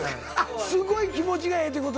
すごい気持ちがええってこと？